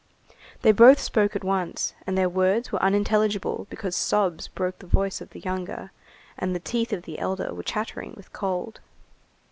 They both spoke at once, and their words were unintelligible because sobs broke the voice of the younger, and the teeth of the elder were chattering with cold.